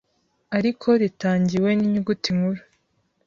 ariko ritangiwe n’ inyuguti nkuru